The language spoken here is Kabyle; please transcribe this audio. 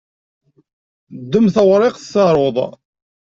Ddem tawriqt, taruḍ!